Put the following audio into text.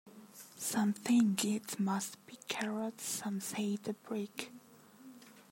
Some think it must be Carrots, some say the Brick.